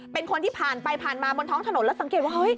เป็นคนที่ผ่านไปผ่านมาบนท้องถนนแล้วสังเกตว่าเฮ้ย